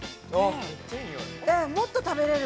もっと食べれる。